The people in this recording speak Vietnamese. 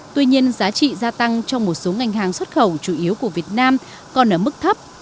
tuy nhiên giá trị gia tăng trong một số ngành hàng xuất khẩu chủ yếu của việt nam còn ở mức thấp